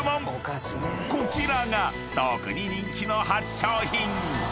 ［こちらが特に人気の８商品］